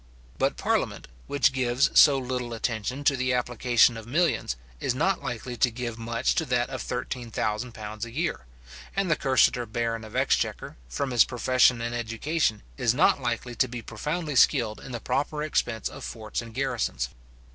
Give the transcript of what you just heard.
But parliament, which gives so little attention to the application of millions, is not likely to give much to that of £13,000 a year; and the cursitor baron of exchequer, from his profession and education, is not likely to be profoundly skilled in the proper expense of forts and garrisons.